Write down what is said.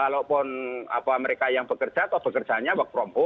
walaupun mereka yang bekerja atau bekerjanya waktu rompuk